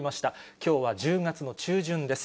きょうは１０月の中旬です。